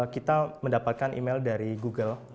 kita mendapatkan email dari google